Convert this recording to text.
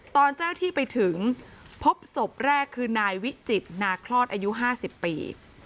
ตอนเจ้าหน้าที่ไปถึงพบศพแรกคือนายวิจิตนาคลอดอายุ๕๐ปี